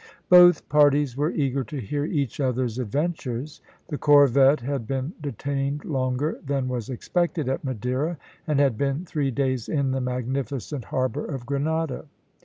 Both parties were eager to hear each other's adventures. The corvette had been detained longer than was expected at Madeira, and had been three days in the magnificent harbour of Grenada.